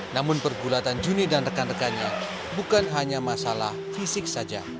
namun pergulatan juni dan rekan rekannya bukan hanya masalah fisik saja